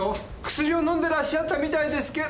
薬を飲んでらっしゃったみたいですけど。